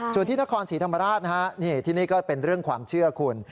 ส่วนที่นครศรีธรรมราชนะฮะนี่ที่นี่ก็เป็นเรื่องความเชื่อคุณ